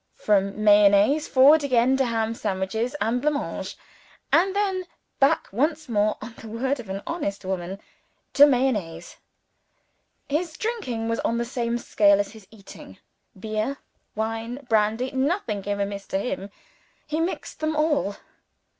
From Mayonnaise, forward again to ham sandwiches and blancmange; and then back once more (on the word of an honest woman) to Mayonnaise! His drinking was on the same scale as his eating. Beer, wine, brandy nothing came amiss to him; he mixed them all.